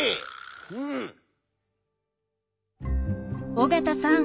尾形さん